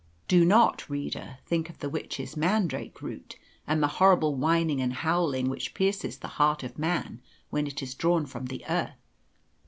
Do not, reader, think of the witches' mandrake root, and the horrible whining and howling which pierces the heart of man when it is drawn from the earth.